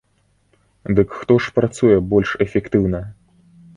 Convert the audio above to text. Дык хто ж працуе больш эфектыўна?